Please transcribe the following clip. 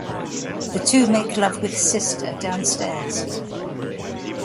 The two make love with Sister downstairs.